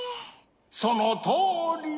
そのとおり！